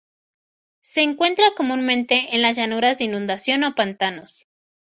Se encuentra comúnmente en las llanuras de inundación o pantanos.